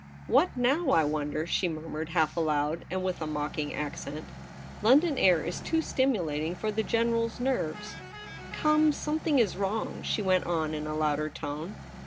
' What now, I wonder,' she murmured half aloud, and with a mocking accent ;' London air is too stimulating for the General's nerves. Come, something is wrong,' she went on in a louder tone.